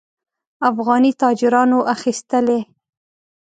افغاني تاجرانو اخیستلې.